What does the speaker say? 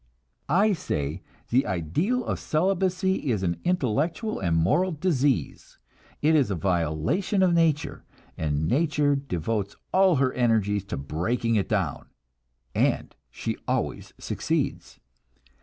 I say the ideal of celibacy is an intellectual and moral disease; it is a violation of nature, and nature devotes all her energies to breaking it down, and she always succeeds.